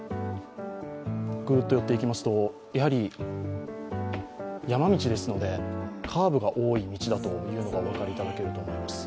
ぐっと寄っていきますと山道ですので、カーブが多い道だというのがお分かりいただけるかと思います。